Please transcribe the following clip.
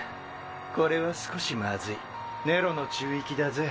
これは少しまずいネロの宙域だぜ。